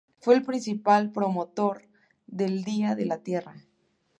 Fue el principal promotor del Día de la Tierra.